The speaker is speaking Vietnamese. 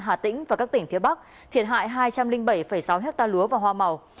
hà tĩnh và các tỉnh phía bắc thiệt hại hai trăm linh bảy sáu ha lúa và hoa màu